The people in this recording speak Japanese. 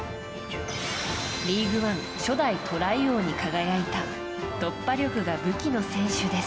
リーグワン初代トライ王に輝いた突破力が武器の選手です。